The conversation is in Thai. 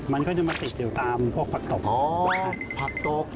มันก็จะมาติดอยู่ตามพักตก